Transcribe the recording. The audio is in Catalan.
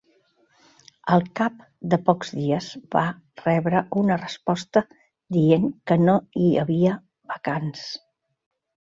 Al cap de pocs dies va rebre una resposta dient que no hi havia vacants.